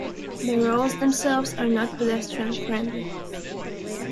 The roads themselves are not pedestrian-friendly.